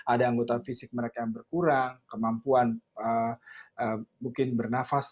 ada anggota fisik mereka yang berkurang kemampuan mungkin bernafas